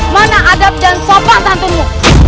mana adab dan sofa santunmu